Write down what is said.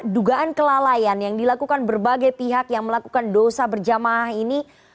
dugaan kelalaian yang dilakukan berbagai pihak yang melakukan dosa berjamaah ini